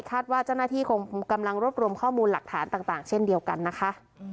ว่าเจ้าหน้าที่คงกำลังรวบรวมข้อมูลหลักฐานต่างเช่นเดียวกันนะคะ